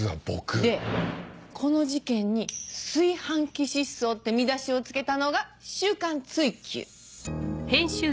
でこの事件に「炊飯器失踪」って見出しを付けたのが『週刊追求』。